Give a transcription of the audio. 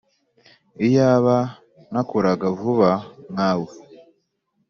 Iyaba nakoraga vuba nkawe